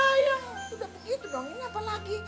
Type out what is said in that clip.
udah begitu dong ini apa lagi